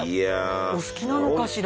お好きなのかしら。